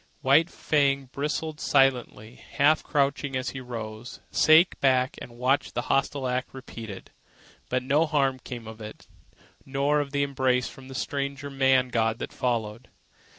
White Fang, bristling silently, half crouching as he rose, sank back and watched the hostile act repeated. But no harm came of it, nor of the embrace from the strange man god that followed.